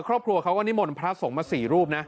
ครอบครัวมนพระส่งมา๔รูป